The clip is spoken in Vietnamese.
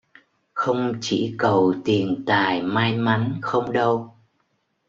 Không chỉ cầu Tiền tài may mắn không đâu